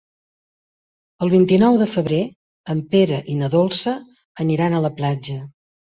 El vint-i-nou de febrer en Pere i na Dolça aniran a la platja.